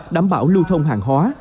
đảm bảo lưu thông hàng hóa